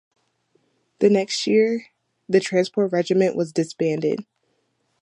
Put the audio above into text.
The next year the transport regiment was disbanded.